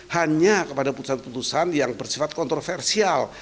hanya kepada putusan putusan yang bersifat kontroversial